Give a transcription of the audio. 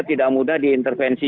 tidak mudah diintervensi